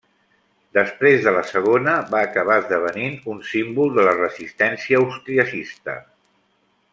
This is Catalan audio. Després de la segona va acabar esdevenint un símbol de la resistència austriacista.